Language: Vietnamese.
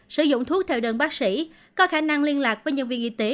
sử dụng thuốc theo đơn bác sĩ có khả năng liên lạc với nhân viên y tế